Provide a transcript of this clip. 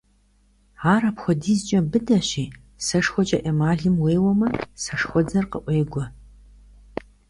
Ар апхуэдизкӀэ быдэщи, сэшхуэкӀэ эмалым уеуэмэ, сэшхуэдзэр къыӀуегуэ.